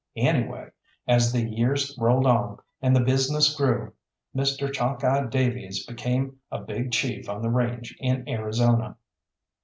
Anyway, as the years rolled on, and the business grew, Mr. Chalkeye Davies became a big chief on the range in Arizona.